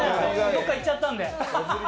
どっかいっちゃったんで。